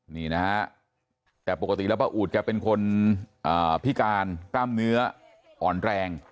นี่นะฮะแต่ปกติแล้วป้าอูดแกเป็นคนพิการกล้ามเนื้ออ่อนแรง